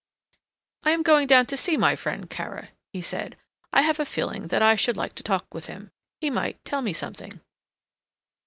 "I am going down to see my friend Kara," he said. "I have a feeling that I should like to talk with him. He might tell me something."